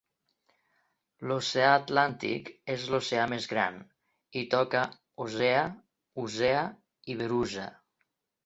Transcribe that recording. L'oceà Atlàntic és l'oceà més gran, i toca Osea, Usea i Verusa.